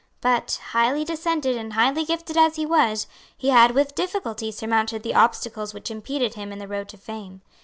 But, highly descended and highly gifted as he was, he had with difficulty surmounted the obstacles which impeded him in the road to fame.